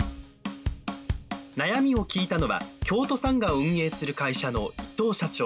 悩みを聞いたのは京都サンガを運営する会社の伊藤社長。